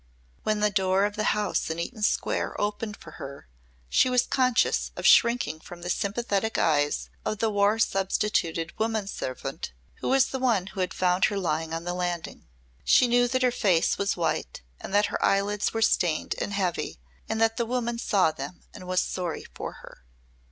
When the door of the house in Eaton Square opened for her she was conscious of shrinking from the sympathetic eyes of the war substituted woman servant who was the one who had found her lying on the landing. She knew that her face was white and that her eyelids were stained and heavy and that the woman saw them and was sorry for her.